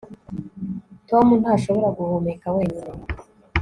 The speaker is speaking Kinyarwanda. Tom ntashobora guhumeka wenyine